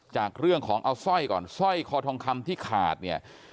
จากเรื่องของเอาสร้อยก่อนสร้อยคอทองคำที่ขาดเนี่ย